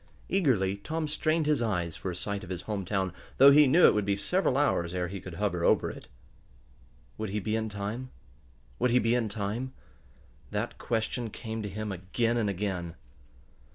Eagerly Tom strained his eyes for a sight of his home town, though he knew it would be several hours ere he could hover over it. Would he be in time? Would he be in time? That question came to him again and again.